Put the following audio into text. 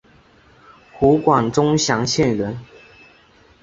湖广钟祥县人。